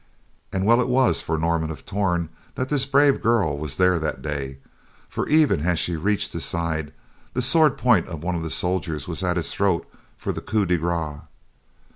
And well it was for Norman of Torn that this brave girl was there that day, for even as she reached his side, the sword point of one of the soldiers was at his throat for the coup de grace.